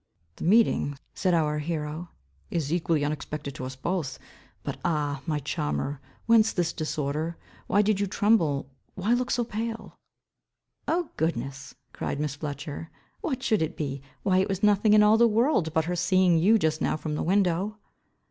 "The meeting," said our hero, "is equally unexpected to us both. But, ah, my charmer, whence this disorder? Why did you tremble, why look so pale?" "Oh goodness," cried Miss Fletcher, "what should it be? Why it was nothing in all the world, but her seeing you just now from the window."